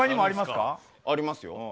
ありますよ。